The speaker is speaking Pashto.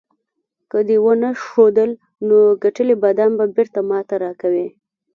که دې ونه ښودل، نو ګټلي بادام به بیرته ماته راکوې.